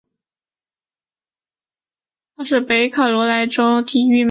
他是北卡罗来纳州体育名人堂的一员。